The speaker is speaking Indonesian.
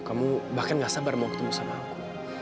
kamu bahkan gak sabar mau ketemu sama aku